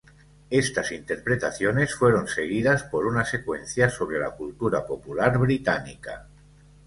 Estas interpretaciones fueron seguidas por una secuencia sobre la cultura popular británica.